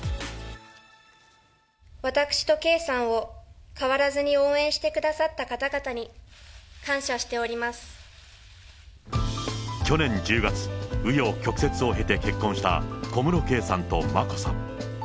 私と圭さんを変わらずに応援してくださった方々に感謝してお去年１０月、う余曲折を経て結婚した、小室圭さんと眞子さん。